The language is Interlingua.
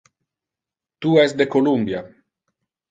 Tu es de Columbia.